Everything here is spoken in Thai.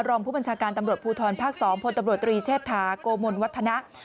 รองผู้บัญชาการตำรวจภูทรภาค๒พลตำรวจตรีเชษฐาโกมลวัฒนะ